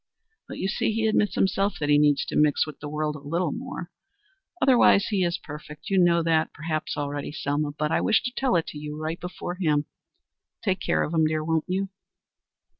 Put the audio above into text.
But you see, he admits himself that he needs to mix with the world a little more. Otherwise he is perfect. You know that perhaps, already, Selma. But I wish to tell it to you before him. Take care of him, dear, won't you?"